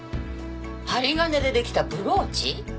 針金で出来たブローチ？